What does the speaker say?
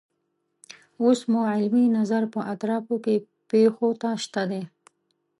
اوس مو علمي نظر په اطرافو کې پیښو ته شته دی.